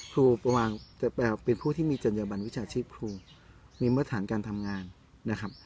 ครูประมาณแต่แปลว่าเป็นผู้ที่มีจรรยาบรรณวิชาชีพครูมีมาตรฐานการทำงานนะครับ